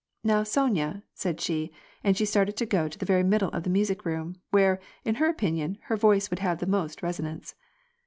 Now, Sonya," said she, and she started to go to the very middle of the music room, where, in her opinion, her voice would have the most resonance.